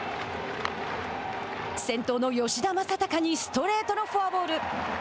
先頭の吉田正尚にストレートのフォアボール。